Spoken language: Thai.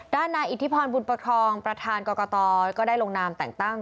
ด้านนายอิทธิพรบุญประคองประธานกรกตก็ได้ลงนามแต่งตั้ง